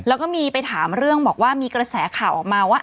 แล้วก็มีไปถามเรื่องบอกว่ามีกระแสข่าวออกมาว่า